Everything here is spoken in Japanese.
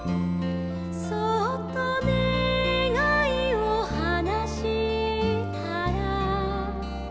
「そっとねがいをはなしたら」